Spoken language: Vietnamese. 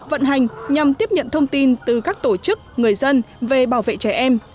vận hành nhằm tiếp nhận thông tin từ các tổ chức người dân về bảo vệ trẻ em